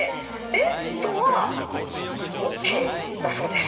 ベッドはＯＫだそうです。